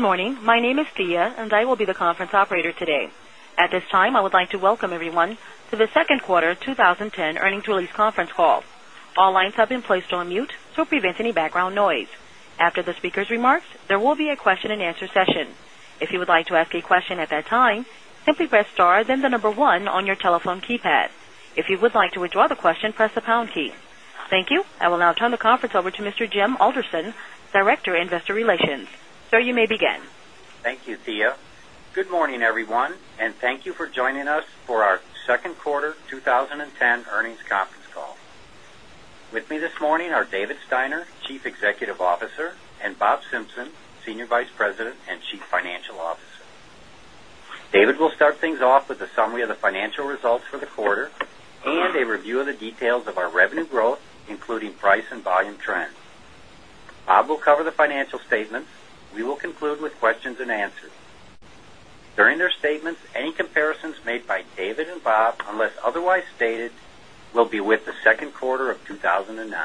Morning. My name is Tia, and I will be the conference operator today. At this time, I would like to welcome everyone to the Second Quarter 2010 Earnings Release Conference Call. Thank you. I will now turn the conference over to Mr. Jim Alderson, Director, Investor Relations. Sir, you may begin. Thank you, Thea. Good morning, everyone, and thank you for joining us for our Q2 2010 earnings conference call. With me this morning are David Steiner, Chief Officer and Bob Simpson, Senior Vice President and Chief Financial Officer. David will start things off with a summary of the financial results for the quarter and a review of the details of our revenue growth, including price and volume trends. Bob will cover the financial statements. We will conclude with questions and answers. During their statements, any comparisons made by David and Bob, unless otherwise stated, will be with the Q2 of 2019.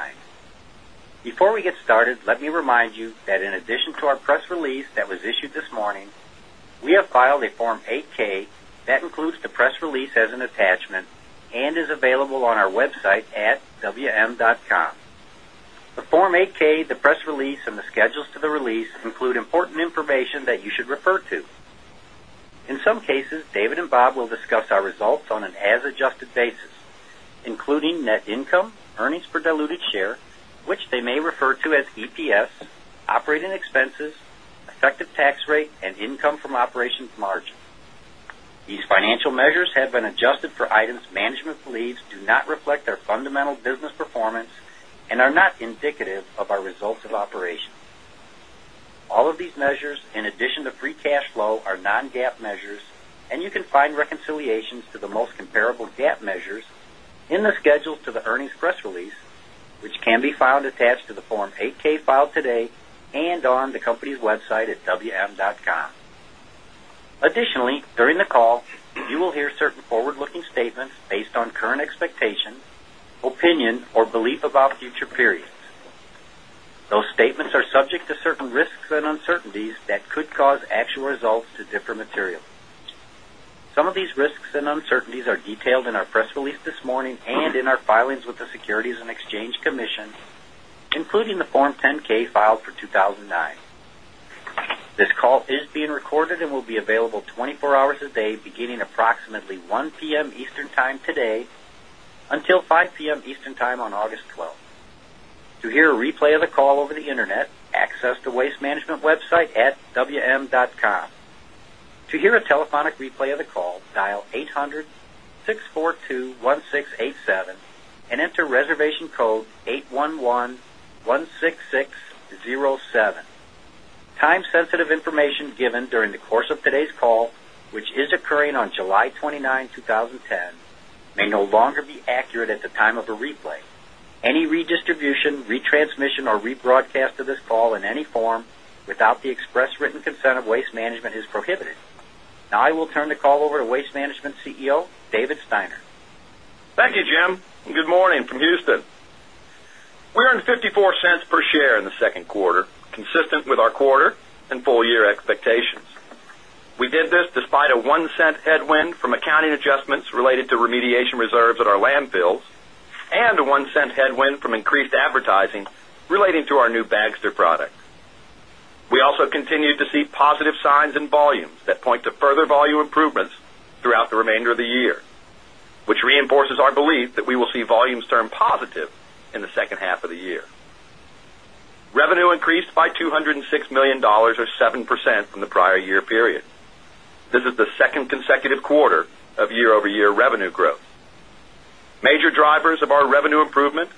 Before we get started, let me remind you that in addition to our press release that was issued this morning, we have filed a Form 8 ks that includes the press release as an attachment and is available on our website atwm.com. The Form 8 ks, the press release and the schedules to the release include important information that you should refer to. In some cases, David and Bob will discuss our results on an as adjusted basis, including net income, earnings per diluted share, which they may refer to as EPS, operating expenses, effective tax rate and income from operations margin. These financial measures have been adjusted for items management believes do not reflect our fundamental business performance and are not indicative of our results of operations. All of these measures in addition to free cash flow are non GAAP measures and you can find reconciliations to the most comparable GAAP measures in the schedule to the earnings press release, which can be found attached to the Form 8 ks filed today and on the company's website atwm dotcom. Additionally, during the call, you will hear certain forward looking statements based on current expectations, opinion or belief about future periods. Those statements are subject to certain risks and uncertainties that could cause actual results to differ materially. Some of these risks and uncertainties are detailed in our press release this morning and in our filings with the Securities and Exchange Commission, including the Form 10 ks filed for 2,009. This call is being recorded and will be available 24 hours a day beginning approximately 1 p. M. Eastern Time today until 5 p. M. Eastern Time on August 12. To hear a replay of the call over the Internet, access the Waste Management and 87 and enter reservation code 811-16607. Time sensitive information given during the course of today's call, which is occurring on July 29, 2010, may no longer be accurate at the time of a replay. Any redistribution, retransmission or rebroadcast of this call in any form without the express written consent of Waste Management is prohibited. Now, I will turn the call over to Waste Management's CEO, David Steiner. Thank you, Jim, and good morning from Houston. We earned 0 point 5 $4 per dollars per share in the Q2 consistent with our quarter and full year expectations. We did this despite a $0.01 headwind from accounting adjustments related to remediation reserves at our landfills and a $0.01 headwind from increased advertising relating to our new Bagster product. We also continue to see positive signs in volumes that point to further volume improvements throughout the remainder of the year, which reinforces our belief that we will see volumes turn positive in the second half of the year. Revenue increased by $206,000,000 or 7% from the prior year period. This is the 2nd consecutive quarter of year over year revenue growth. Major drivers of our revenue improvement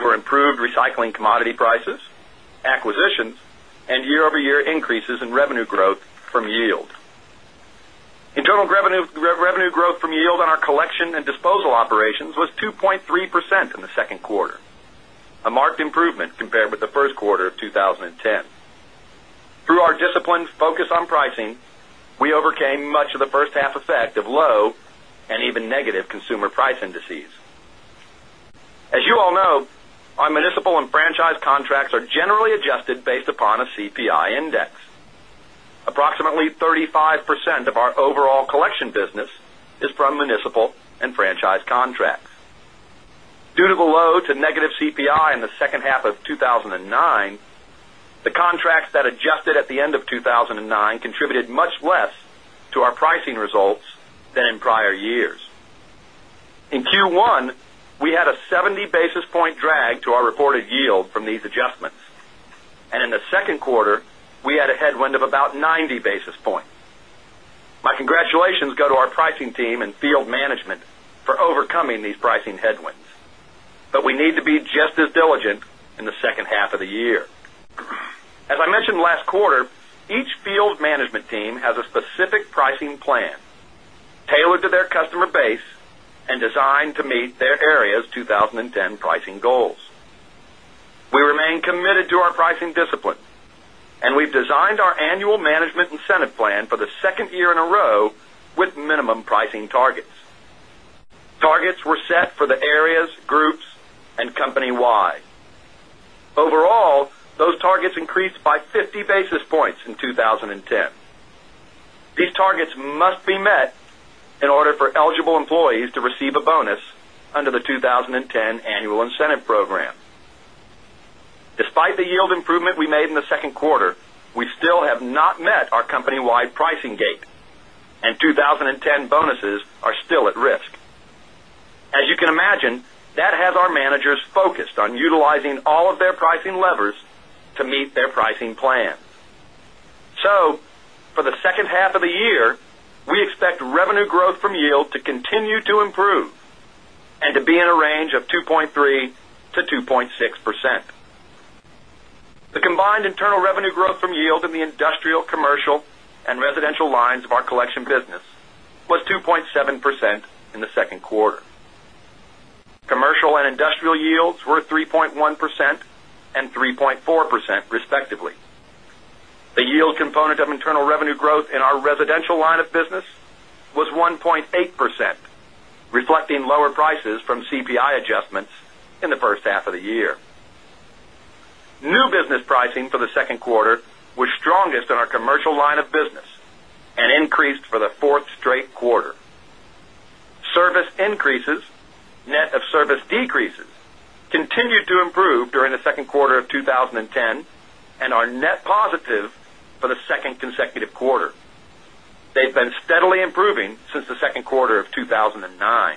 were improved recycling commodity prices, acquisitions and year over year increases in revenue growth from yield. Internal revenue growth from yield on our collection and disposal operations was 2.3% in the 2nd quarter, a marked improvement compared with the Q1 of 2010. Through our disciplined focus on pricing, we overcame much of the first half effect of low and even negative consumer price indices. 35% of our overall collection business is from a CPI index. Approximately 35% of our overall collection business is from municipal and franchise contracts. Due to the low to negative CPI in the second half of two thousand and nine, the contracts that adjusted at the end of 2,009 contributed much less to our pricing results than in prior years. In Q1, we had a 70 basis point drag to our reported yield from these adjustments. And in the Q2, we had a headwind of about 90 basis points. My congratulations go to our pricing team and field management for overcoming these pricing headwinds. But we need to be just as diligent in the second half of the year. As I mentioned last quarter, each field management team has a specific pricing plan tailored to their customer base and designed to meet their areas incentive plan for the 2nd year in a row with minimum pricing targets. Targets were set for the areas, groups and company wide. Overall, those targets increased by 50 basis points in 2010. These targets must be met in order for eligible employees to receive a bonus under the 2010 annual incentive program. Despite the yield improvement we made in the Q2, we still have not met our company wide pricing gate and 2010 bonuses are still at risk. As you can imagine, that has our managers focused on utilizing all of their to continue to improve and to be in a range of 2.3% to 2.6%. The combined internal revenue growth from yield in the industrial, commercial and residential lines of our collection business was 2.7% in the 2nd quarter. Commercial and industrial yields were 3.1% and 3.4% respectively. The yield component of internal revenue growth in our residential line of business was 1.8%, reflecting lower prices from CPI adjustments in the first half of the year. New business pricing for the 2nd quarter was strongest in our commercial line of business and increased for the 4th straight quarter. Net of service decreases continued to improve during the Q2 of 2010 and are net positive for the 2nd consecutive quarter. They've been steadily improving since the Q2 of 2000 and 9.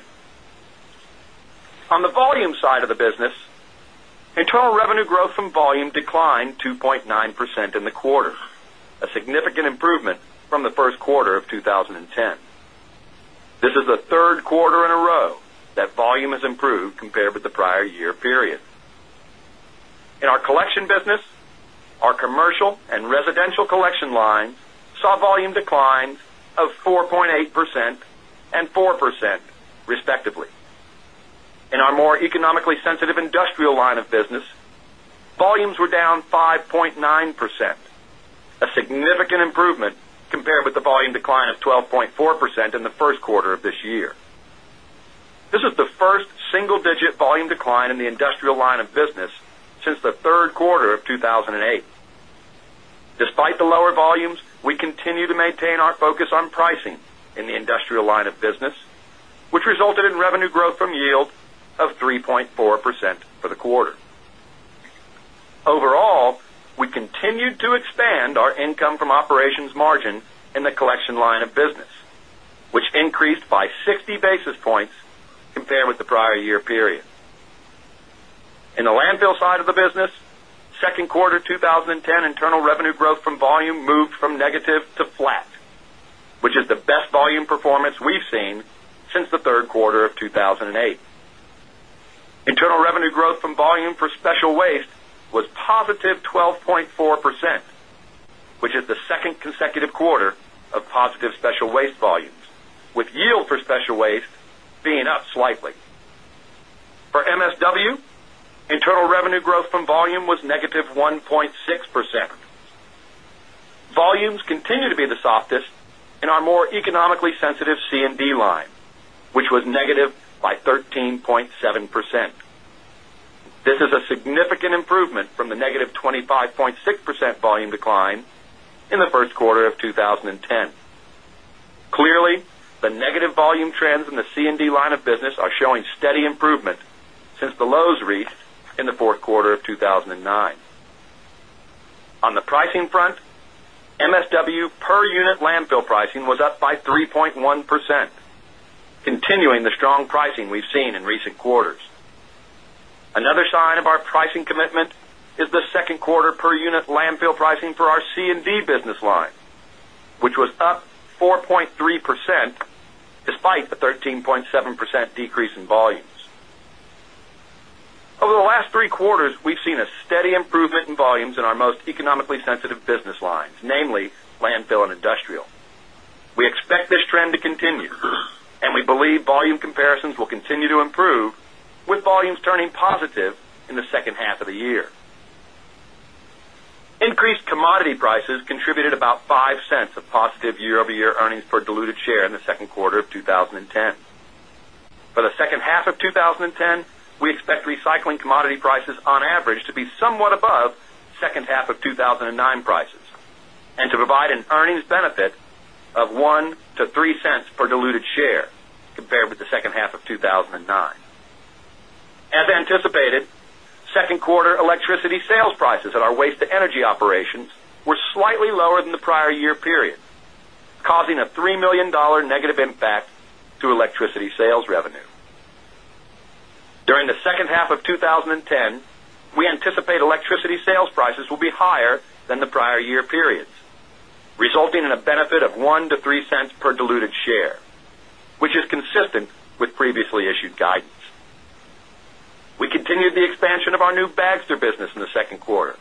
On the volume side of the business, internal revenue growth from volume declined 2.9% in the quarter, improvement from the Q1 of 2010. This is the 3rd quarter in a row that volume has improved compared with the prior year period. In our collection business, our commercial and residential collection lines saw volume decline of 4.8% and 4% respectively. In our more economically sensitive industrial line of business, volumes were down 5.9%, a significant improvement compared with the volume decline of 12.4 percent in the Q1 of this year. This is the first single digit volume decline in the industrial line of business since the Q3 of 2,008. Despite the lower volumes, we continue to maintain our focus on pricing in to expand our income from operations margin in the collection line of business, which increased by 60 basis points compared with the prior year period. In the landfill side of the business, 2nd quarter 2010 internal revenue growth from volume moved from negative to flat, which is the best volume performance we've seen since the Q3 of 2008. Internal revenue growth from volume for special waste was positive 12.4%, which is the 2nd consecutive quarter of positive special waste volumes with yield for special waste waste being up slightly. For MSW, internal revenue growth from volume was negative 1.6%. Volumes continue to be the softest in our more economically sensitive C and D line, which was negative 13.7%. This is a significant improvement from the negative 25.6% volume decline in the Q1 of 2010. Clearly, the negative volume trends in the CND line of business are showing steady improvement since the lows reached in the Q4 of 2009. On the pricing front, MSW per unit landfill pricing was up by 3.1%, continuing the strong pricing we've seen in recent quarters. Another of our pricing commitment is the 2nd quarter per unit landfill pricing for our C and D business line, which was up 4.3 percent despite the 13.7% decrease in volumes. Over the last three quarters, we seen a steady improvement in volumes in our most economically sensitive business lines, namely landfill and industrial. We expect this trend to continue and we believe volume comparisons will continue to improve with volumes turning positive in the second half of the year. Increased commodity prices contributed about $0.05 of positive year over year earnings per diluted share in the Q2 of 2010. For the second half of twenty ten, we expect recycling commodity prices on average to be somewhat above second half of two thousand and 9 prices and to provide an earnings benefit of $0.01 to $0.03 per diluted share compared with the second half of 2,009. As anticipated, 2nd quarter electricity sales prices at our waste to energy operations were slightly lower than the prior year period, causing a $3,000,000 negative impact to electricity sales revenue. During the second half of twenty ten, we anticipate electricity sales prices will be higher than the prior year periods, resulting in a benefit of $0.01 to $0.03 per diluted share, which is consistent with previously issued guidance. We continued the expansion of our new Baxter business in the Q2.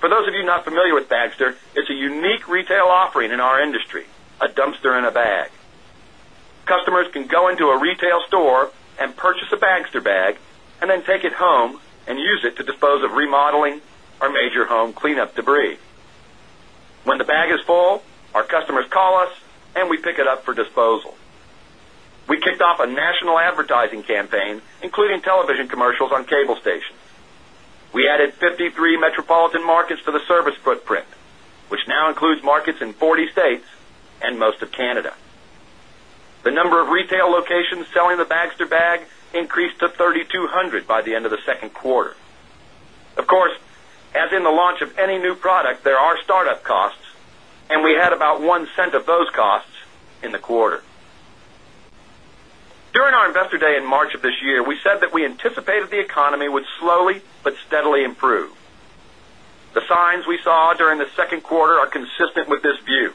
For those of you not familiar with Bagster, it's a unique retail offering in our industry, in a bag. Customers can go into a retail store and purchase a Baxter bag and then take it home and use it to dispose of remodeling or major home cleanup debris. When the bag is full, our customers call us and we pick it up for disposal. We kicked off a national advertising campaign, including television commercials on cable stations. We added 53 metropolitan markets to the service footprint, which now includes markets in 40 states and most of Canada. The number of retail locations selling the Bags 2 Bag increased to 3,200 by the end of the second quarter. Of course, as in the launch of any new product, there are startup costs and we had about $0.01 of those costs in the quarter. During our Investor Day in March of this year, we said that we anticipated the economy would slowly, but steadily improve. The signs we saw during the second quarter are consistent with this view.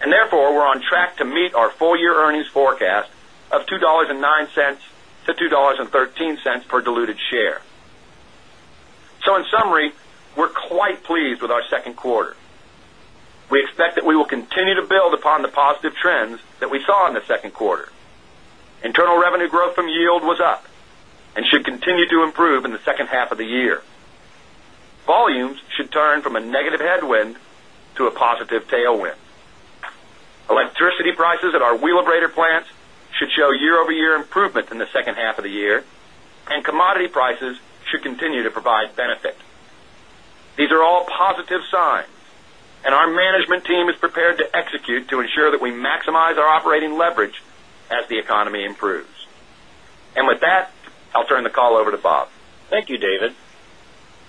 And therefore, we're $0.09 to 2 $0.13 per diluted share. So in summary, we're quite pleased with our Q2. We expect that we will continue to build upon the positive trends that we in the Q2. Internal revenue growth from yield was up and should continue to improve in the second half of the year. Volumes should turn from a negative headwind to a positive tailwind. Electricity prices at our wheeler breeder plants should show year over year improvement in the second half of the year and commodity prices should continue to provide benefit. These are all positive signs and our management team is prepared to execute to ensure that we maximize our operating leverage as the economy improves. And with that, I'll turn the call over to Bob. Thank you, David.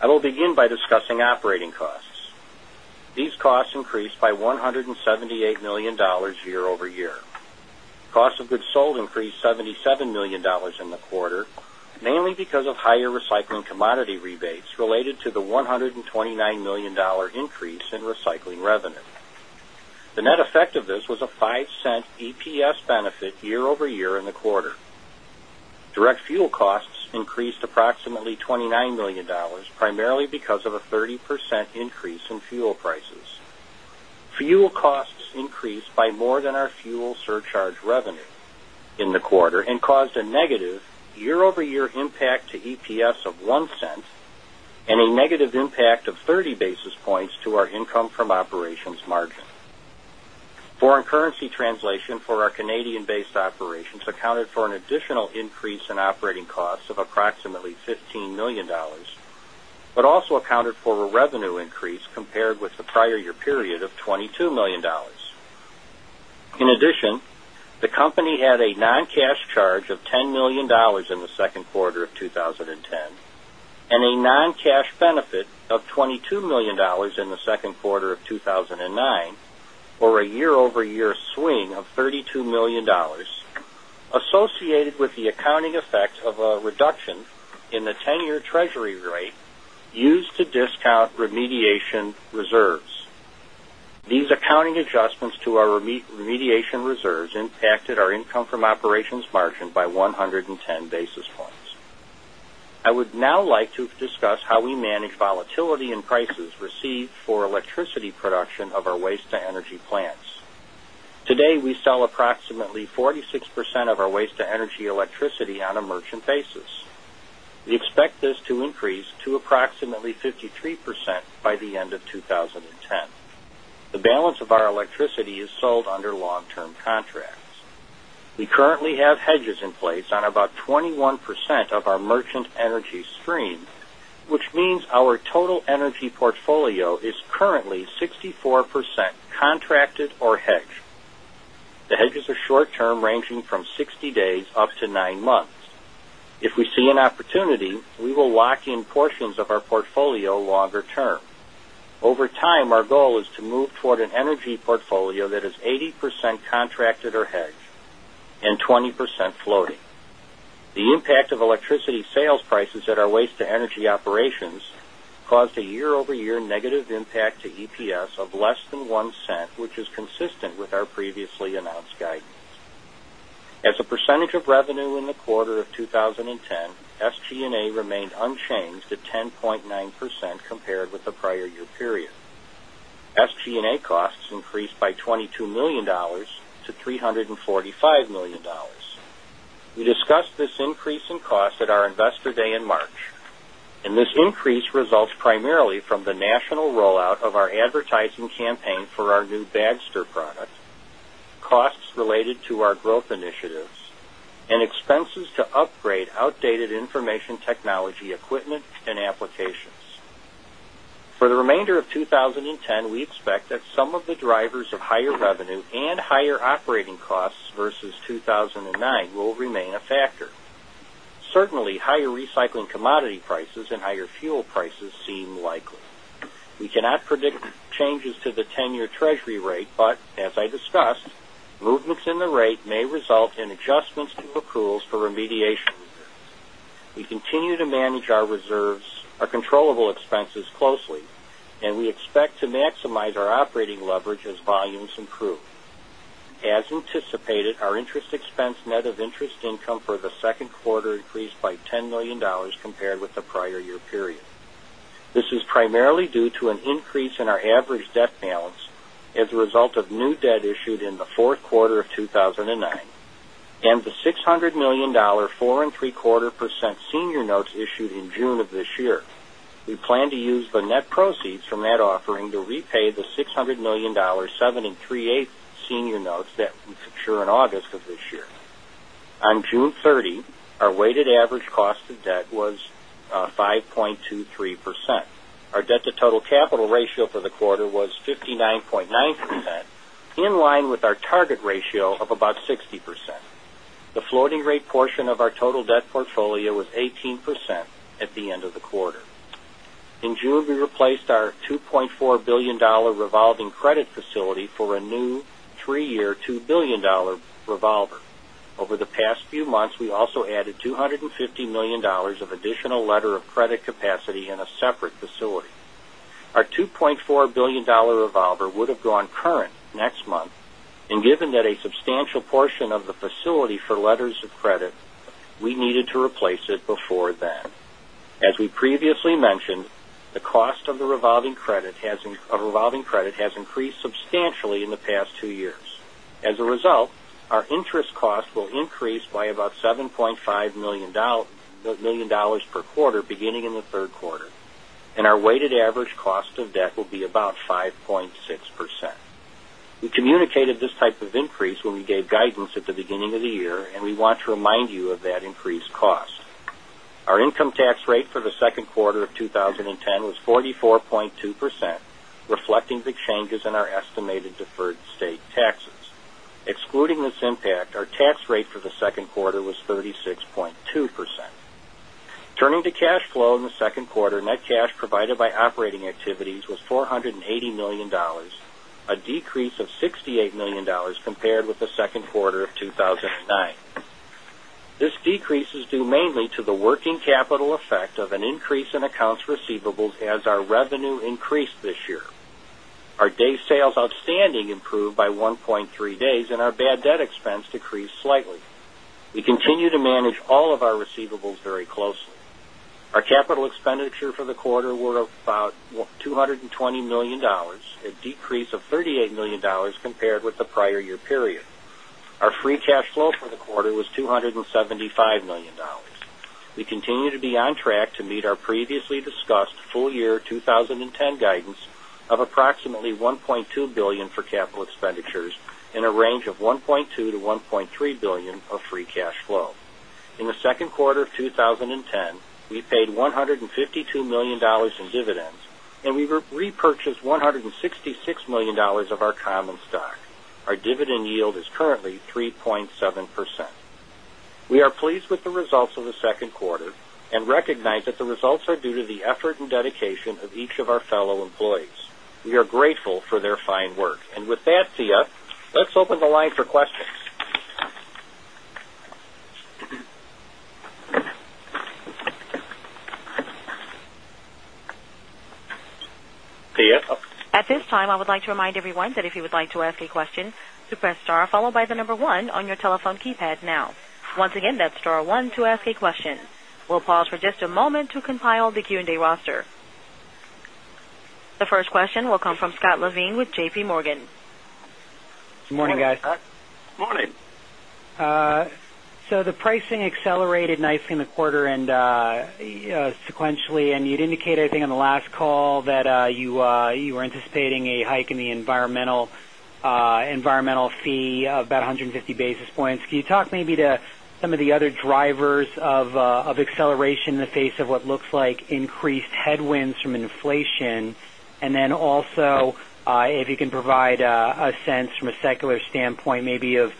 I will begin by discussing operating costs. These costs increased by $178,000,000 year over year. Cost of goods sold increased $77,000,000 in the quarter, mainly because of higher recycling commodity rebates related to the $1,000,000 increase in recycling revenue. The net effect of this was a $0.05 EPS benefit year over year in the quarter. Direct fuel costs increased approximately $29,000,000 primarily because of a 30% increase in fuel prices. Fuel costs increased by more than our fuel surcharge revenue in the quarter and caused a negative year over year impact to EPS of $0.01 and a negative impact of 30 basis points to our income from operations margin. Foreign currency translation for our Canadian based operations accounted for an additional increase in operating costs of approximately $15,000,000 but also accounted for a revenue increase compared with the prior year period of $22,000,000 In addition, the company had a non cash charge of $10,000,000 in the Q2 of 20 benefit of $22,000,000 in the Q2 of 2019 or a year over year swing of 32,000,000 dollars associated with the accounting effect of a reduction in the 10 year treasury rate used to discount remediation reserves. These accounting adjustments to our remediation reserves impacted our income from operations margin by 110 basis points. I would now like to discuss how we manage volatility in prices received for electricity production of our waste to energy plants. Today, we sell approximately 46% of our waste to energy electricity on a merchant basis. We expect this to increase to approximately 53% by the end of 2010. The balance of our electricity is sold under long term contracts. We currently have hedges in place on about 21% of our merchant energy stream, which means our total energy portfolio is currently 64% contracted or hedged. The hedges are short term ranging from 60 days up to 9 percent that is 80% contracted or hedged and 20% floating. The impact of electricity sales prices at our waste to energy $1 which is consistent with our previously announced guidance. As a percentage of revenue in the quarter of 20 compared with the prior year period. SG and A costs increased by $22,000,000 to $345,000,000 We discussed this increase in costs at our Investor Day in March. And this increase results primarily from the national rollout of our advertising campaign for our new Bag Stir product, costs related to our growth initiatives, and expenses to upgrade outdated information technology equipment 2010, we expect that some of the drivers of higher revenue and higher operating costs versus 2,009 will remain a factor. Certainly, higher recycling commodity prices and higher fuel prices seem likely. We cannot predict changes to the 10 year treasury rate, but as I discussed, movements in the rate may result in adjustments to accruals for remediation. We continue to manage our reserves, our controllable expenses closely and we expect to maximize our our $10,000,000 compared with the prior year period. This is primarily due to an increase in our average debt balance as a result of new debt issued in the Q4 of 2019 and the $600,000,000 4.75 percent senior notes issued in June of this year. To use the net proceeds from that offering to repay the $600,000,000 7.3eight percent senior notes that we secure in August of this year. On June 30, our weighted average cost of debt was 5.23%. Our debt to total capital ratio for the quarter was 59.9 percent in line with our target ratio of about 60%. The floating rate portion of our total debt portfolio was 18% at the end of the quarter. In June, we replaced our $2,400,000,000 revolving credit facility for a new 3 year $2,000,000,000 revolver. Over the past few months, we also added $250,000,000 of additional letter of credit capacity in in a substantial portion of the facility for letters of credit, we needed to replace it before then. As we previously mentioned, the cost of the revolving credit has increased substantially in the past 2 years. As a result, our interest cost will increase about $7,500,000 per quarter beginning in Q3 and our weighted average cost of debt will be about 5.6%. We communicated this type of increase when we gave guidance at the beginning of the year and we want to remind you of that increased cost. Our income tax rate for the Q2 of 2010 was 44.2%, reflecting the changes in our estimated deferred state taxes. Excluding this impact, our tax rate for the 2nd quarter was 36.2%. Turning to cash flow in the 2nd quarter, net cash provided by operating activities was $480,000,000 a decrease of $68,000,000 compared with the Q2 of 2,009. This decrease is due mainly to the working capital effect of an increase in accounts receivables as our revenue increased this year. Our days sales outstanding improved by 1.3 days and our bad debt expense decreased slightly. We continue to manage all of our receivables very closely. Our capital expenditure for the quarter were about $220,000,000 a decrease of $38,000,000 compared with the prior year period. Our free cash flow for the quarter was $275,000,000 We continue to be on track to meet our previously discussed full year 2010 guidance of approximately $1,200,000,000 for capital expenditures in a range of $1,200,000,000 to $1,300,000,000 of free cash flow. In the Q2 of 2010, we paid $152,000,000 in dividends and we repurchased 166,000,000 dollars of our common stock. Our dividend yield is currently 3.7%. We are pleased with the results of the 2nd quarter and recognize that the results are due to the effort and dedication of each of our fellow employees. We are grateful for their fine work. And with that, open the line for questions. The first question will come from Scott Levine with JPMorgan. Good morning, guys. Good morning. So the anticipating a hike in the environmental fee of about 150 basis points. Can you talk maybe to some of the other drivers of acceleration in the face of what looks like increased headwinds from inflation? And then also if you can provide a sense from a secular standpoint maybe of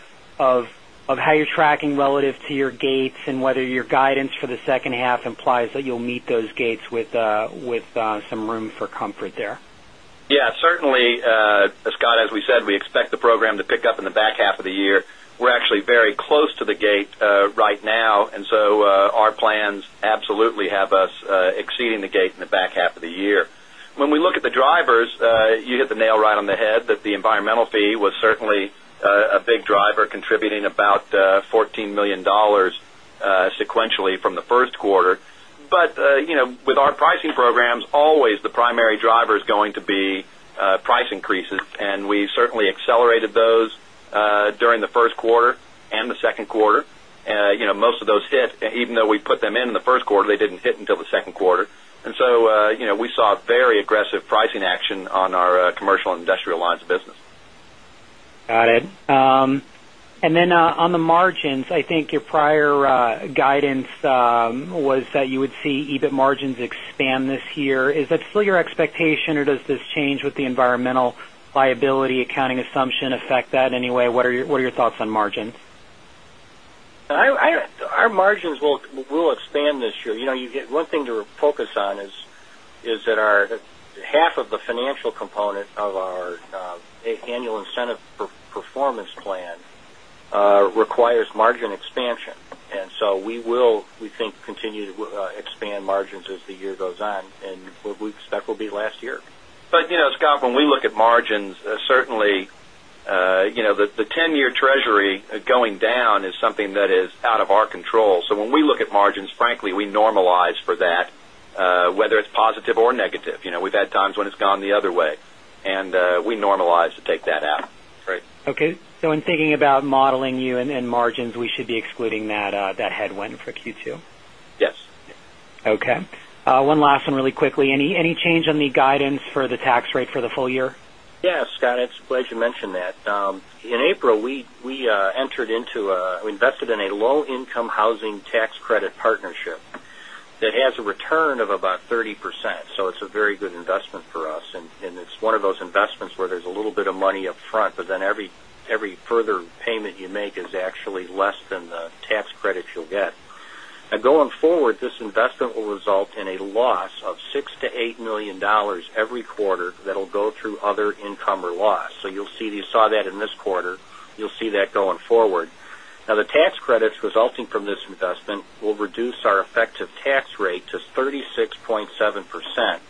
how you're tracking relative to your gates and whether your guidance for the second half implies that you'll meet those gates with some room for comfort there? Yes, certainly, Scott, as we said, we expect the program to pick up in the back half of the year. We're actually very year. When we look at the drivers, you hit the nail right on the head that the environmental fee was certainly a big driver contributing about 14 $14,000,000 sequentially from the Q1. But with our pricing programs, always the primary driver is going to be price increases and we certainly accelerated those during the Q1 and the Q2. Most of those hit, even though we put them in the Q1, they didn't hit until the Q2. And so we saw very aggressive pricing action on our commercial and industrial lines of business. Got it. And then on the margins, I think your prior guidance was that you would see EBIT margins expand this year. Is that still your expectation or does this change with the environmental liability accounting assumption that anyway? What are your thoughts on margins? Our margins will expand this year. One thing to focus on is that our half of the financial component of our annual incentive performance plan requires margin expansion. And so we will, we think continue to expand margins as the year goes on and what we expect will be last year. But Scott, when we look at margins, certainly, the 10 year treasury going down is something that is out of our control. So when we look at margins, frankly, we normalize for that, whether it's positive or negative. We've had times when it's gone the other way, and we normalize to take that out. Okay. So in thinking about modeling you and margins, we should be excluding that Yes, Scott. It's glad you mentioned that. In Yes, Scott, it's glad you mentioned that. In April, we entered into we invested in a low income housing tax credit partnership that has a return of about 30%. So it's a very good investment for us and it's one of those investments where there's a tax credits you'll get. Now going forward, this investment will result in a loss of $6,000,000 to $8,000,000 every quarter that will go through other income or loss. So you'll see you that in this quarter, you'll see that going forward. Now the tax credits resulting from this investment will reduce our effective tax rate to 36.7 percent.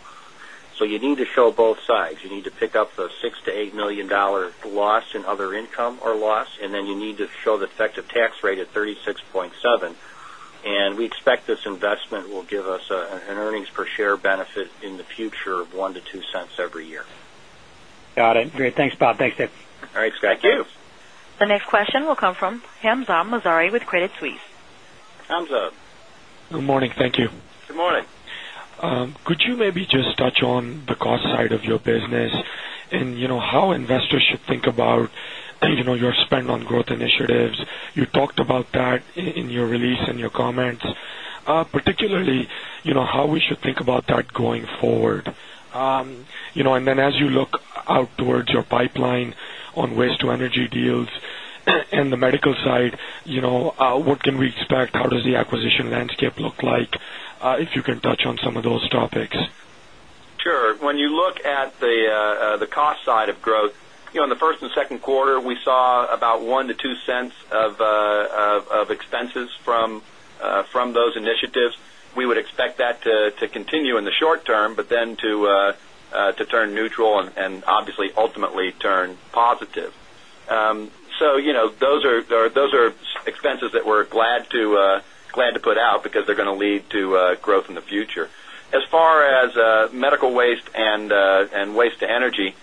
So you need to show both sides. You need to pick up the $6,000,000 to $8,000,000 loss in other income or loss and then you need to show the percent. And we expect this investment will give us an earnings per share benefit in the future of $0.01 to $0.02 every year. Got it. Great. Thanks, Bob. Thanks, Dave. All right, Scott. Thank you. The next question will come from Hamzah Mazari with Credit Suisse. Hamzah. Good morning. Thank you. Good morning. Could you maybe just touch on the cost side of your business and how investors should think about your spend on growth initiatives? You talked about that in your release and your comments. Particularly, how we should think about that going forward? And then as you look out towards your pipeline on waste to energy deals and the medical side, what can we expect? How does acquisition landscape look like? If you can touch on some of those topics. Sure. When you look at the cost side of growth, in the first and second quarter, we saw about $0.01 to 0 point 0 $0.02 of expenses from those positive. So those are positive. So those are expenses that we're glad to put out because they're going to lead to growth in the future. As far as medical waste and waste to energy,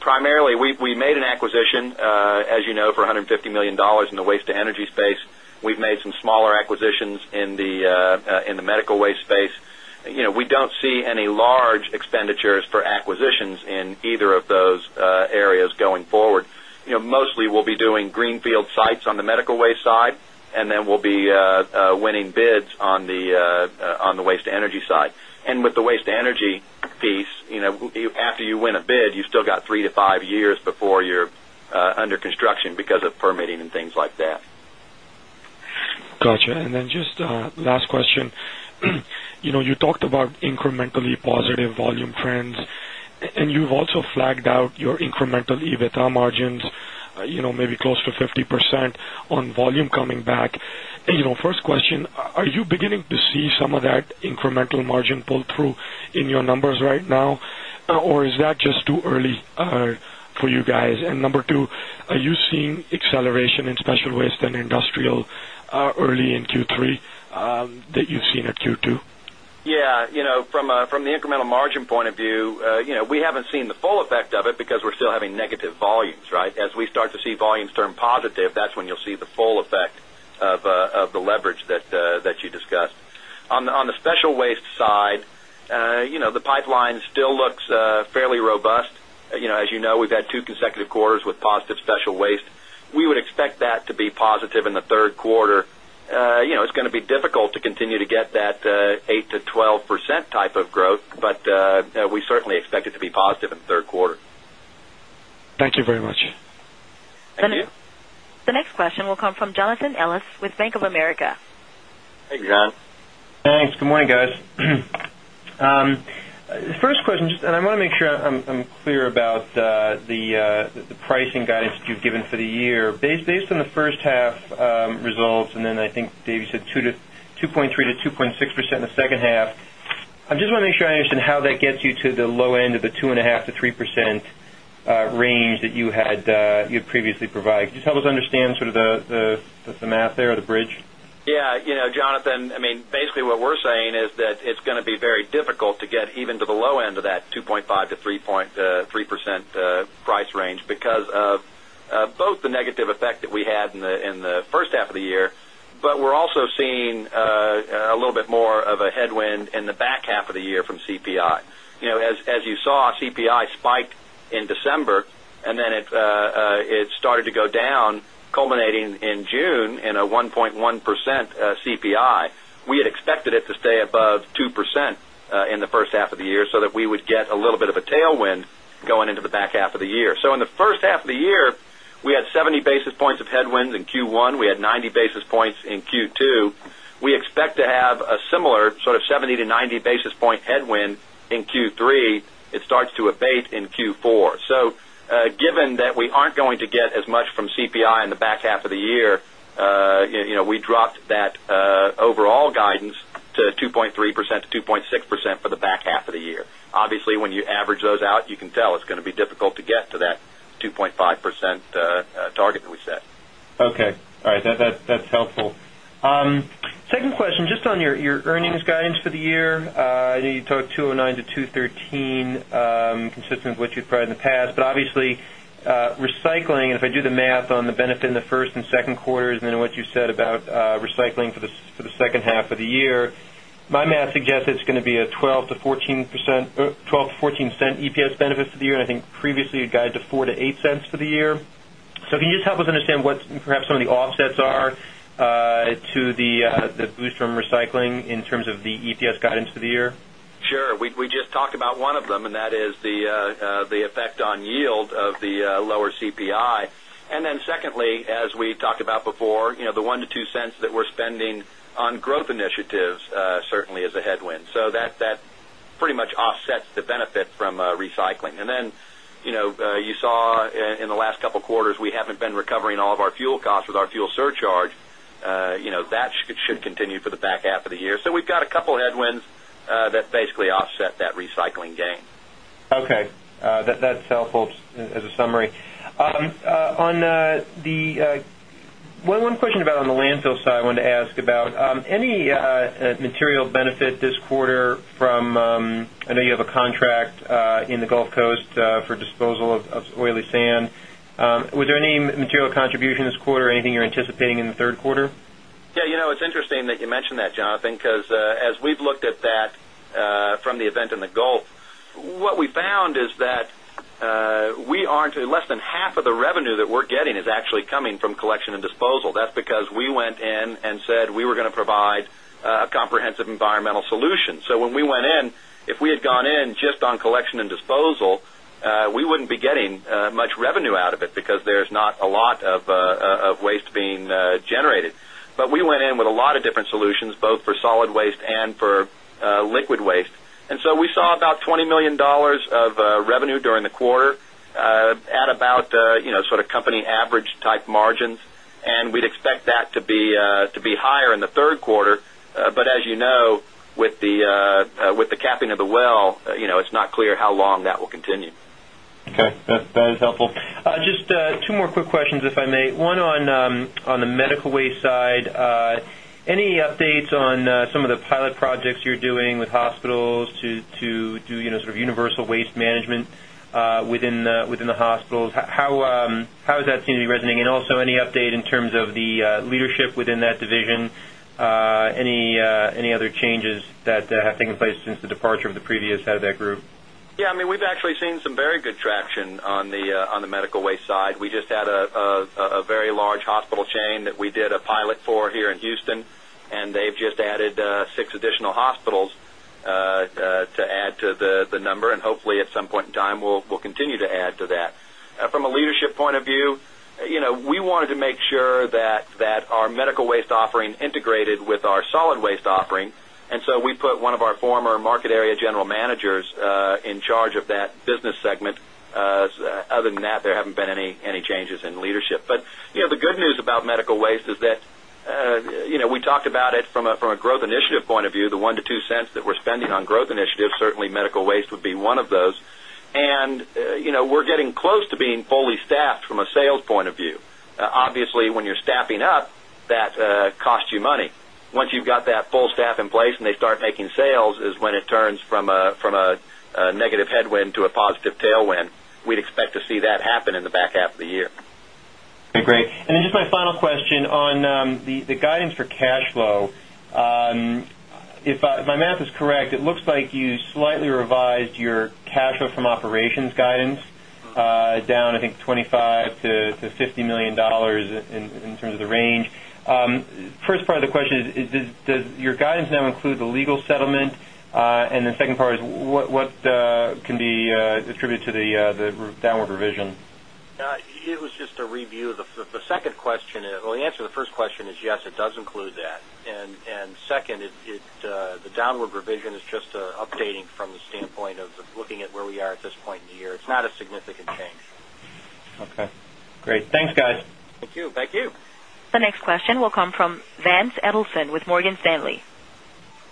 primarily we made an acquisition, as you know, for 150,000,000 dollars in the waste to energy space. We've made some smaller acquisitions in the medical waste space. We don't see any large expenditures for acquisitions in either of those areas going forward. Mostly, we'll be doing greenfield sites on the medical waste side, and then we'll be winning bids on the waste to energy side. And with the waste to energy piece, after you win a bid, you still got 3 to 5 years before you're under construction because of permitting and things like that. Got you. And then just last question. You talked about incrementally positive volume trends and you've also flagged out your incremental EBITDA margins maybe close to 50% on volume coming back. First question, are you beginning to see some of that incremental margin pull through in your numbers right now? Or is that just too early for you guys? And number 2, are you seeing acceleration in special waste and industrial early in Q3 that you've seen at Q2? Yes. From the incremental margin point of view, we haven't seen the full effect of it because we're still having negative volumes, right? As we start to see volumes turn positive, that's when you'll see the full effect of the leverage that you discussed. On the special waste side, the pipeline still looks fairly robust. As you know, we've had 2 consecutive quarters with positive special waste. We would expect that to be positive in the Q3. It's going to be difficult to continue to get that 8% to 12% type of growth, but we certainly expect it to be positive in the 3rd quarter. Thank you very much. Thank you. The next question will come from Thanks. Good morning, guys. First question, and I want to make sure I'm clear about the pricing guidance that you've given for the year. Based on the first half results and then I think Dave you said 2.3% to 2.6% in the second half. I'm just wondering if I understand how that gets you to the low end of the 2.5% to 3% range that you had previously provided. Just help us understand sort of the math there or the bridge? Yes. Jonathan, I mean, basically what we're saying is that it's going to be very difficult to get even to the low end of that 2.5% to 3% price range because of both the negative effect that we had in the first half of the year, but we're also seeing a little bit more of a headwind in the back half of the year from CPI. As you saw, CPI spiked in December and then it started to go down, culminating in June in a 1.1% CPI. We had expected it to stay above 2% in the first half of the year, so that we would get a little bit of a tailwind going into the back half of the year. So in the first half of the year, we had 70 basis points of headwinds in Q1, we had 90 basis points in Q2. We expect to have a similar sort of 70 basis points to 90 basis point headwind in Q3, it overall guidance to 2 we dropped that overall guidance to 2.3% to 2.6% for the back half of the year. Obviously, when you average those out, you can tell it's going to be difficult to get to that 2.5% target that we set. Okay. All right. That's helpful. Second question, just on your earnings guidance for the year. I know you talked $209,000,000 to $213,000,000 consistent with what you've tried in the past. But obviously, recycling, if I do the math on the benefit in the 1st and second quarters and then what you said about recycling for the second half of the year, my math suggests it's going to be a $0.12 to $0.14 EPS benefit for the year. And I think previously you guided to $0.04 to $0.08 for the year. So can you just help us understand what perhaps some of the offsets are to the boost from recycling in terms of the EPS guidance for the year? Sure. We just talked about one of them and that is the effect on yield of the lower CPI. And then secondly, as we talked about before, the $0.01 to $0.02 that we're spending on growth initiatives certainly is a headwind. So that pretty much offsets the benefit from recycling. And then you saw in the last couple of quarters, we haven't been recovering all of our fuel costs with our fuel surcharge. That should continue for the back half of the year. So we've got a couple of headwinds that basically offset that recycling gain. Okay. That's helpful as a summary. On the one question about on the landfill side, I want to ask about. Any material benefit this quarter from I know you have a contract in the Gulf Coast for disposal of oily sand. Was there any material contribution this quarter, anything you're anticipating in the Q3? Yes. It's interesting that you mentioned that, getting is getting is actually coming from collection and disposal. That's because we went in and said we were going to provide a comprehensive environmental solution. So when we went in, if we had gone in just on collection and disposal, we wouldn't be getting much revenue out of it because there's not a lot of waste generated. But we went in with a lot of different solutions, both for solid waste and for liquid waste. And so we saw about $20,000,000 of revenue during the quarter at about sort of company average type margins and we'd expect that to be higher in the Q3. But as you know, with the capping of the well, it's not clear how long that will continue. Okay. That is helpful. Just two more quick questions, if I may. 1 on the medical waste side. Any updates on some of the pilot projects you're doing with hospitals to do sort of universal waste management within the hospitals? How does that seem to be resonating? And also any update in terms of the leadership within that division? Any other changes that have taken place since the departure previous head of that group? Yes. I mean, we've actually seen some very good traction on the medical waste side. We just had a very large hospital chain that we did a pilot for here in Houston, and they've just added 6 additional hospitals to add to the number. And hopefully, at some point in time, we'll continue to add to that. From a leadership point of view, we wanted to make sure that our medical waste offering haven't been any changes in leadership. But the good news about medical waste is that haven't been any changes in leadership. But the good news about medical waste is that we talked about it from a growth initiative point of view, the $0.01 to $0.02 that we're spending on growth initiatives, certainly medical waste would be one of those. And we're getting close to being fully staffed from a sales point of view. Obviously, when you're staffing up, that cost you money. Once you've got that full staff in place and they start making sales is when it turns from negative headwind to a positive tailwind. We'd expect to see that happen in the back half of the year. Okay, great. And then just my final question on the guidance for cash flow. If my math is correct, it looks like you slightly revised your cash flow from operations guidance down I think $25,000,000 to $50,000,000 in terms of the range. First part of the question is does your guidance now include the legal settlement? And the second part is, what can be attributed to the downward revision? It was just a review of the second question. Well, the answer to the first question is yes, it does include that. And second, the downward revision is just updating from the standpoint of looking at where we are at this point in the year. It's not a significant change. Okay, great. Thanks, guys. Thank you. Thank you. The next question will come from Vance Edelson with Morgan Stanley.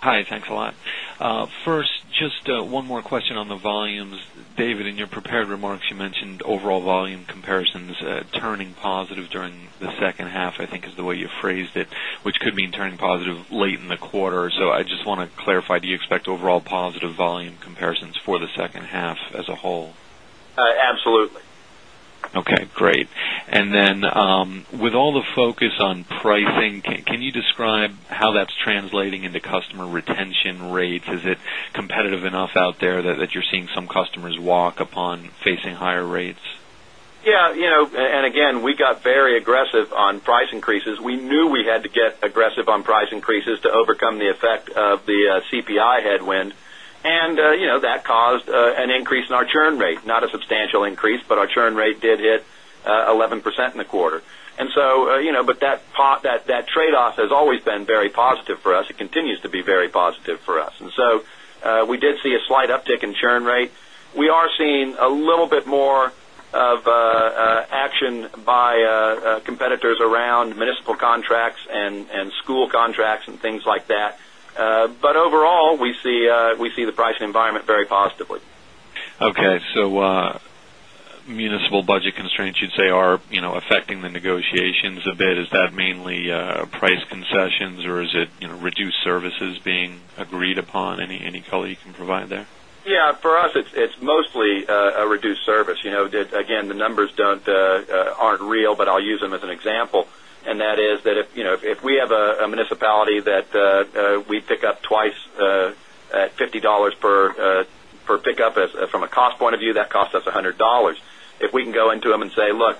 Hi. Thanks a lot. First, just one more question on the volumes. David, in your prepared remarks, you mentioned overall volume comparisons turning positive during the second half, I think is the way you phrased it, which could mean turning positive late in the quarter. So I just want to clarify, do you expect overall positive volume comparisons for the second half as a whole? Absolutely. Okay, great. And then, with all the focus on pricing, can you describe how that's translating into customer retention rates? Is it competitive enough out there that you're seeing some customers walk upon facing higher rates? Yes. And again, we got very aggressive on price increases. We knew we had to get aggressive on price increases to overcome the effect of the CPI headwind. And that caused an increase in our churn rate, not a substantial increase, but our churn rate did hit 11% in the quarter. And so but that trade off has always been very positive for us. It continues to be very positive for us. And so we did see a slight uptick in churn rate. We are seeing a little bit more of action by competitors around municipal contracts and school contracts and things like that. But overall, we see the pricing environment very positively. Okay. So municipal budget constraints, you'd say are affecting the negotiations a bit. Is that mainly price concessions or is it reduced services being agreed upon? Service. Again, the numbers aren't real, but I'll use them as an example. And that is that if we have a municipality that we pick up twice at $50 per pickup, from a cost point of view, that costs us $100 If we can go into them and say, look,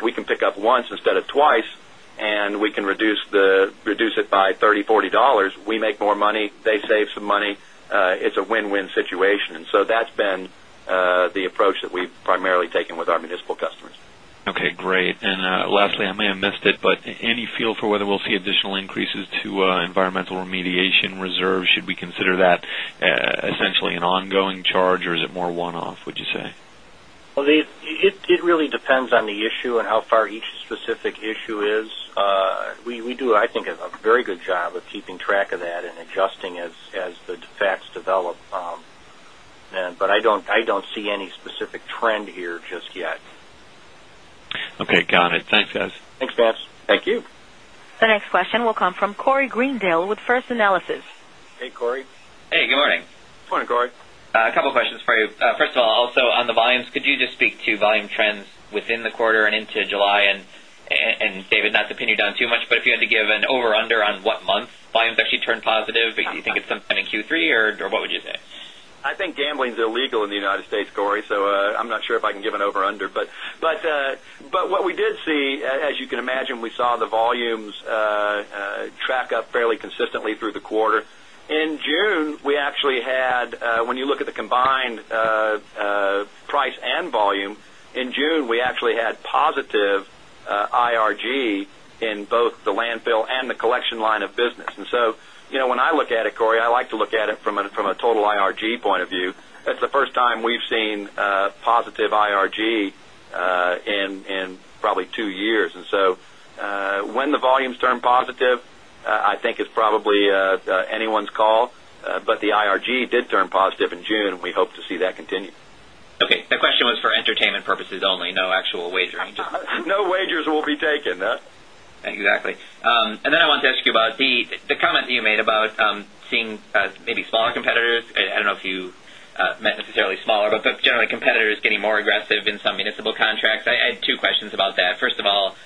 we can pick up once instead of twice, and we can reduce it by 30%, of twice and we can reduce it by $30, $40 we make more money, they save some money, it's a win win situation. And that's been the approach that we've primarily taken with our municipal customers. Okay, great. And lastly, I may have missed it, any feel for whether we'll see additional increases to environmental remediation reserves? Should we consider that essentially an ongoing charge or is it more one off, would you say? Well, it really depends on the issue and how far each specific issue is. We do, I think, a very good job of keeping track of that and adjusting as the facts develop. But I don't see any specific trend here just yet. Okay, got it. Thanks guys. Thanks Vance. Thank you. The next question will come from Corey Greendale with First Analysis. Hey, Corey. Hey, good morning. Good morning, Corey. A couple of questions for you. First of all, also on the volumes, could you just speak to volume trends within the quarter and into July? And David, not to pin you down too much, but if you had to give an over under on what month volumes actually turned positive, but you think it's sometime in Q3 or what would you say? I think gambling is illegal in the United States, Corey. So I'm not sure if I can give an over under, but what we did see, as you can imagine, we saw the volumes track up fairly consistently through the quarter. In June, we actually had positive IRG in both the landfill and the collection line of business. And so when I look at it, Corey, I like to look at it from a total IRG point of view. That's the first time we've seen positive IRG in probably 2 years. And so when the volumes turn positive, turn positive in June. We hope to see that continue turn positive in June and we hope to see that continue. Okay. The question was for entertainment purposes only, no actual wagering? No wagers will be taken. Exactly. And then I want to ask you about the comment that you made about seeing maybe smaller competitors. I don't know if you meant necessarily smaller, but generally competitors getting more aggressive in some municipal contracts. I had two questions about that. First of all,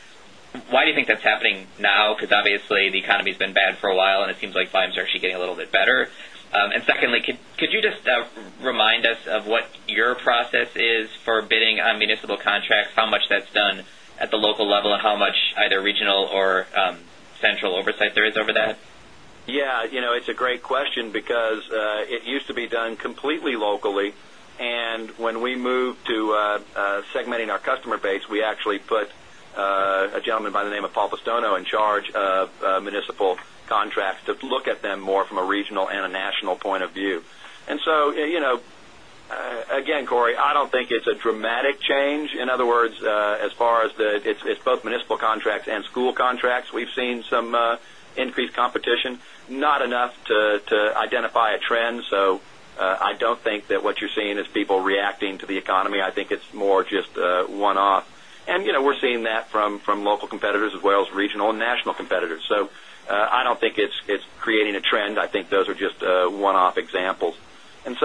why do you think that's happening now? Because obviously the economy has been bad for a while and it seems like volumes are actually getting a little bit better. And secondly, could you just remind us of what your process is for bidding on municipal contracts? How much that's done at the local level and how much either regional or central oversight there is over that? Yes. It's a great question because it used to be done completely locally. And when we moved to segmenting our customer base, we actually put a gentleman by the name of Paul Pistono in charge of municipal contracts to look at them more from a regional and a national point of view. And so again, Cory, I don't think it's a dramatic change. In other words, as far as the it's both municipal contracts and school contracts, we've seen some increased competition, not enough to identify a trend. So I don't think that what you're seeing is people reacting to the economy. I think it's more just one off. And we're seeing that from local competitors as well as regional and national competitors. So I don't think it's always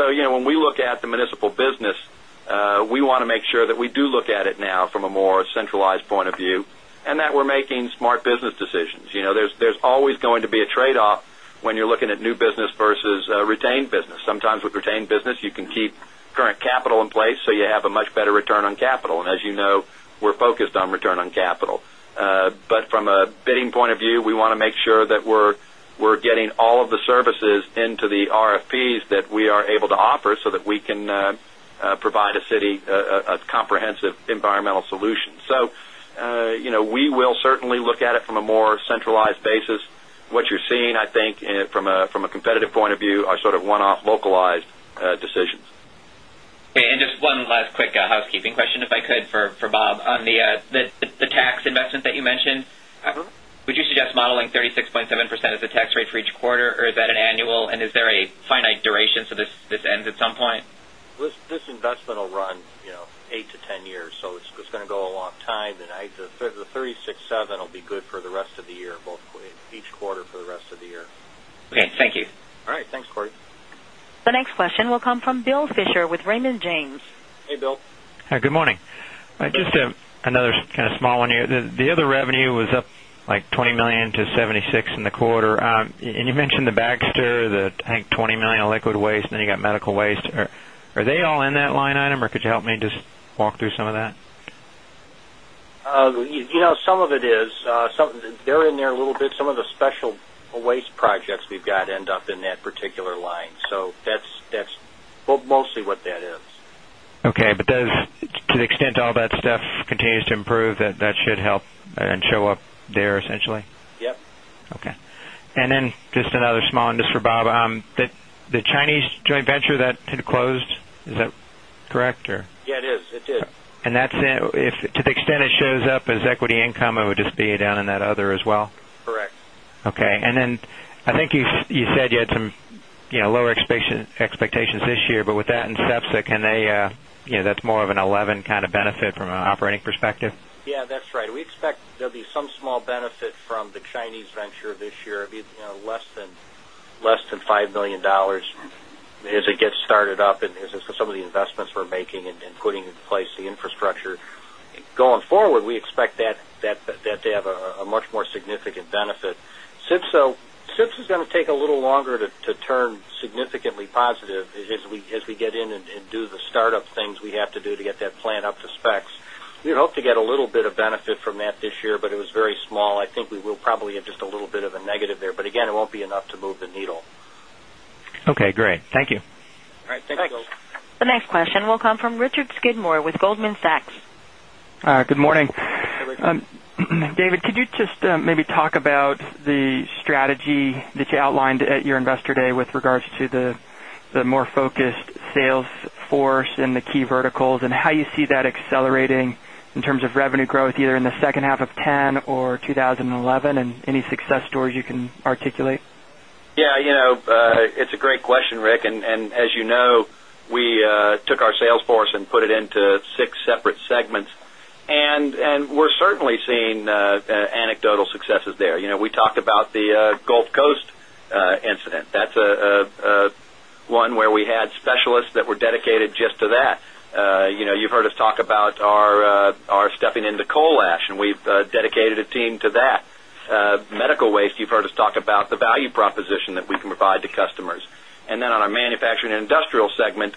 point of view and that we're making smart business decisions. There's always going to be a trade off when you're looking at new business versus retained business. Sometimes with retained business, you can keep current capital in place, so you have a much better return on capital. And as you know, we're focused on return on capital. But from a bidding point of view, we want to make sure that we're getting all of the services into the RFPs that we are able to offer so that we can provide a city a comprehensive environmental solution. So we will certainly look at it from a more centralized basis. What you're seeing, I think, from a competitive point of view are sort of one off localized decisions. Okay. And just one last quick housekeeping question if I could for Bob. On the tax investment that you mentioned, would you suggest modeling 36.7% as 36.7% of the tax rate for each quarter or is that an annual and is there a finite duration so this ends at some point? This investment will run 8 to 10 years. So it's going to go a long time. This investment will run 8 to 10 years. So it's going to go a long time. The 36.7 will be good for the rest of the year, both each quarter for the rest of the year. Okay. Thank you. All right. Thanks, Cory. The next question will come from Bill Fisher with Raymond James. Hey, Bill. Hi, good morning. Just another kind of small one here. The other revenue was up like $20,000,000 to $76,000,000 in the quarter. And you mentioned the Baxter that I think $20,000,000 of liquid waste and then you got medical waste. Are they all in that line item or could you help me just walk through some of that? Some of it is, they're in there a little bit, some of the special waste projects we've got end up in that particular line. So that's mostly what that is. But does to the extent all that stuff continues to improve that should help and show up there essentially? Yes. Okay. And then just another small one just for Bob. The Chinese joint venture that had closed, is that correct or? Yes, it is. It did. And to the extent it shows up as equity income, it would just be down in that other as well? Correct. Okay. And then I think you said you had some lower expectations this year, but with that in sepsa, can they that's more of an 11 kind of benefit from an operating perspective? Yes, that's right. We expect there'll be some small benefit from the Chinese venture this year, less than $5,000,000 as it gets started up and some of the investments we're making and putting in place the infrastructure. Going forward, we expect that to have a much more significant benefit. CIPs is going to take a little longer to turn think we will probably have just a little bit of a negative there, but again, it won't be enough to move the needle. Okay, great. Thank you. All right. Thanks, Joel. Thanks. The next question will come from Richard Skidmore with Goldman Sachs. Good morning. Hi, Richard. David, could you just maybe talk about the strategy that you outlined at your Investor Day with regards to the more focused sales force in the key verticals and how you see that accelerating in terms of revenue growth either in the second half of 'ten or twenty eleven and any success stories you can articulate? Yes, it's a great question, Rick. And as you know, we took our sales force and put it into 6 separate segments. And we're certainly seeing anecdotal successes there. We talked about the Gulf Coast incident. That's one where we had specialists that were dedicated just to that. You've heard us talk about our stepping into coal ash and we've dedicated a team to that. Medical waste, you've heard us talk about the value proposition that we can provide to customers. And then on our Manufacturing and Industrial segment,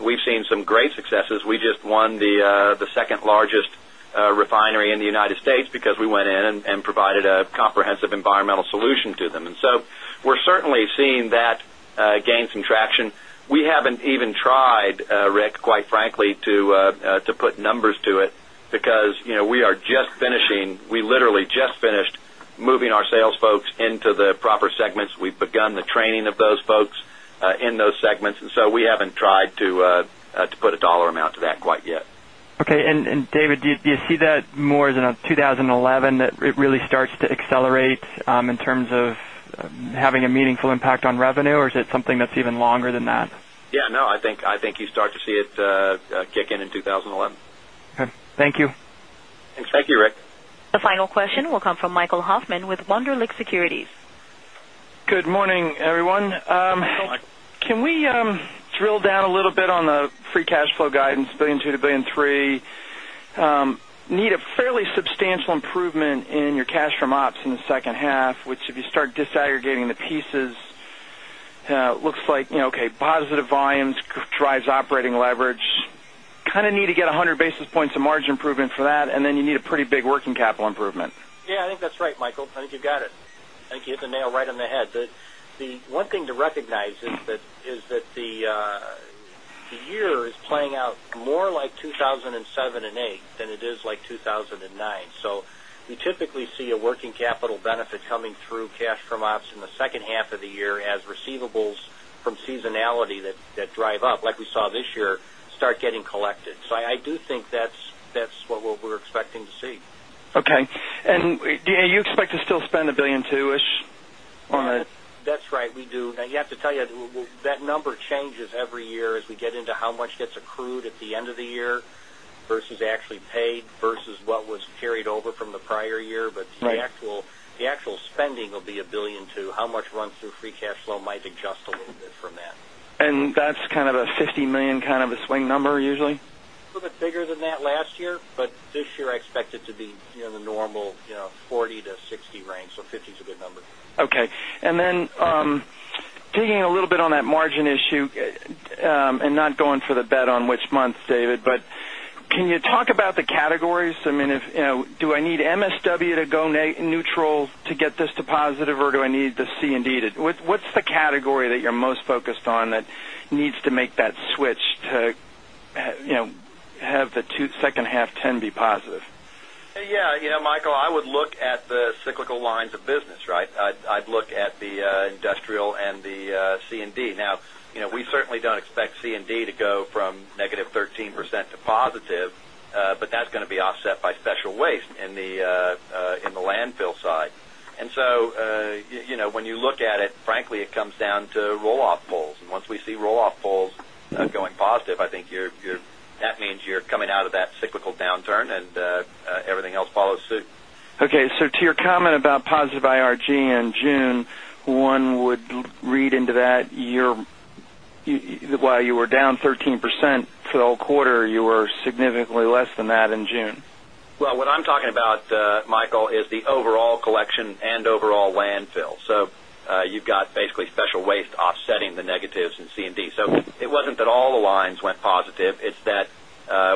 we've seen some great successes. We just won the 2nd largest refinery in the United States because we went in and provided a comprehensive environmental solution to them. And so we're certainly seeing that gain some traction. We haven't even tried, Rick, quite frankly, to put numbers to it because we are just finishing. We literally just finished moving our sales folks into the proper segments. We've begun the training of those folks in those segments. And so we haven't tried to put a dollar amount to that quite yet. Okay. And David, do you see that more as in 20 11 that it really starts to accelerate in terms of having a meaningful impact on revenue or is it something that's even longer than that? Yes. No, I think you start to see it kick in, in 2011. Okay. Thank you. Thanks, Rick. The final down a little bit on the free cash flow guidance, dollars 1,200,000,000 to $1,300,000,000 Need a fairly substantial improvement in your cash from ops in the second half, which you start disaggregating the pieces, looks like, okay, positive volumes drives operating leverage, kind of need to get 100 basis points of margin improvement for that and then you need a pretty big working capital improvement? Yes, I think that's right, Michael. I think you've got it. I think you hit the nail right on the head. The one thing to recognize is that the year is playing out more like 2,007 and 'eight than it is like 2,009. So we typically see a working capital benefit coming through cash from ops in the second half of the year as receivables from seasonality that drive up, like saw this year start getting collected. So I do think that's what we're expecting to see. Okay. And do you expect to still spend $1,200,000,000 ish on it? That's right. We do. And you have to tell you that number changes every year as we get into how much gets accrued at the end of the year versus actually paid versus what was carried over from the prior year, but the actual spending will be $1,200,000,000 how much run through free cash flow might adjust a little bit from that? And that's kind of a $50,000,000 kind of a swing number usually? A little bit bigger than that last year, but this year I expect it to be the normal 40% to 60% range. So 50% is a good number. Okay. And then digging a little bit on that margin issue and not going for the bet on which month, David, but can you talk about the categories? I mean, do I need to go neutral to get this to positive or do I need the C and D? What's the category that you're most focused on that needs to make that switch to have the 2 second half ten be positive? Yes, Michael, I would look at the cyclical lines of business, right? I'd look at the industrial and the C and D. Now, we certainly don't expect C and D to go from negative 13% to positive, but that's going to be offset by special waste in the landfill side. And so, when you look it, frankly, it comes down to roll off poles. And once we see roll off poles going positive, I think you're that means you're coming out of that cyclical downturn and everything else follows suit. Okay. So to your comment about positive IRG in June, one would read into that your while you were down 13% for the whole quarter, you were significantly less than that in June? Well, what I'm talking about, Michael, is the overall collection and overall landfill. So you've got basically special waste offsetting the negatives in C and D. So it wasn't that all the lines went positive, it's that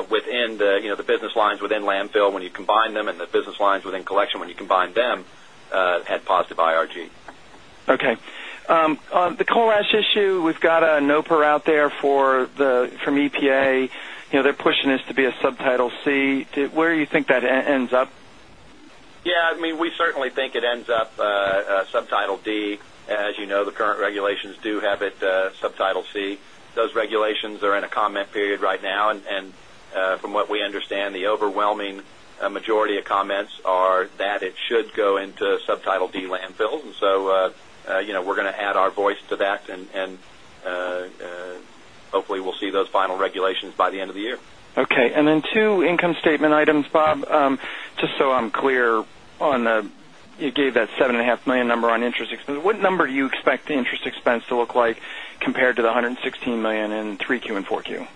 within the business lines within landfill when you combine them and the business lines within collection when you combine them had positive IRG. Okay. The coal ash issue, we've got a Noper out there for the from EPA. They're pushing this to be a subtitle C. Where do you think that ends up? Yes, I mean, we certainly think it ends up subtitle D. As you know, the current regulations do have it subtitle C. Those regulations are in a comment period right now. And from what we understand, the overwhelming majority of comments are that should go into Subtitle D landfills. And so we're going to add our voice to that and hopefully we'll see those final regulations by the end of the year. Okay. And then interest expense. What number do you expect the interest expense to look like compared to the $116,000,000 in 3Q and 4Q?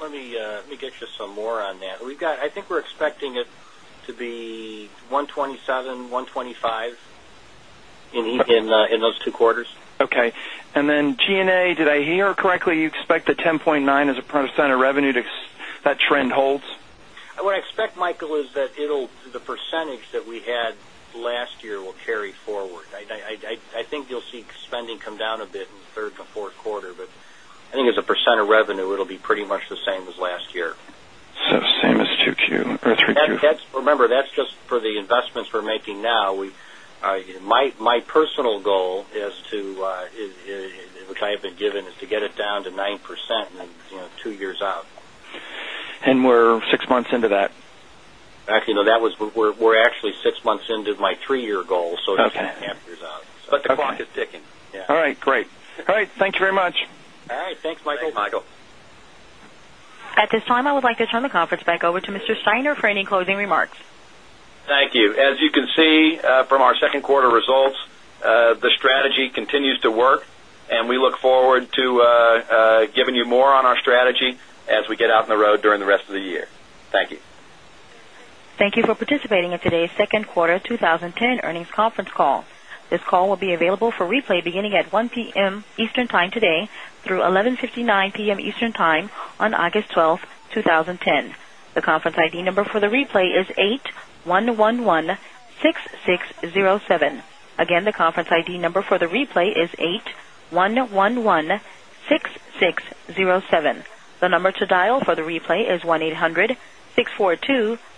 Let me get you some more on that. We've got I think we're expecting it to be $127,000,000 $125,000,000 in those two quarters. Okay. And then G and A, did I hear correctly, you expect the 10.9% as a percent of revenue that trend holds? What I expect, Michael, is that the percentage that we had last year will carry forward. I think you'll see spending come down a bit in the 3rd and fourth quarter, but I think as a percent of revenue, it will be pretty much the same as last year. So same as 2Q or 3Q? Remember, that's just for the investments we're making now. My personal goal is down to get it down to 9% 2 years out. And we're 6 months into that? Actually, no, that was we're actually 6 months into my 3 year goal. So, it's 10.5 years out. But the clock is ticking. All right, great. All right, thank you At this time, I would like to turn the conference back over to Mr. Steiner for any closing remarks. Thank you. As you can see from our second quarter results, the strategy continues to work and we look forward to giving you more on our strategy as we get out in the road during the rest of the year. Thank you. Thank you for participating in today's Q2 2010 earnings conference call. This call will be available for replay beginning at 1 p. M. Eastern Time today through 11:59 p. M. Eastern Time on August 12, 2010. The conference ID number for the replay is 8,111,166 and 7. Again, the conference ID number for the replay is 8,111,6007. The number to dial for the replay is 1-eight hundred-six forty two-six